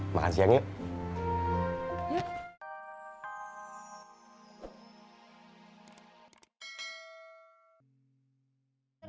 makan siang yuk